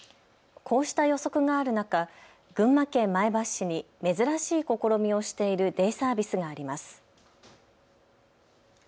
こうした予測がある中、群馬県前橋市に珍しい試みをしているデイサービスがあります。